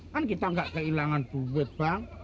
kan kita gak keilangan duit bang